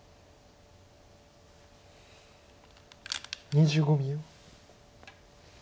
２５秒。